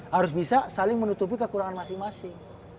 harus bisa saling menutupi kekurangan masing masing